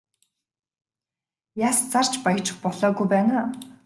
Яс зарж баяжих болоогүй байна аа.